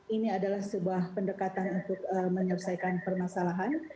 ini adalah sebuah pendekatan untuk menyelesaikan permasalahan